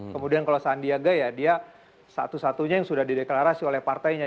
kemudian kalau sandiaga ya dia satu satunya yang sudah dideklarasi oleh partainya